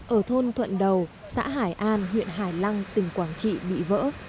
ở thôn thuận đầu xã hải an huyện hải lăng tỉnh quảng trị bị vỡ